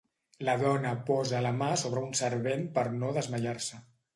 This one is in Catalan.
La dona posa la mà sobre un servent per no desmaiar-se.